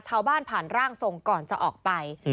เช้าบ้านผ่านร่างสงฆ์ก่อนจะออกไป